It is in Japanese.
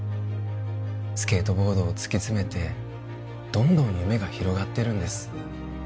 スケートボードを突き詰めてどんどん夢が広がってるんです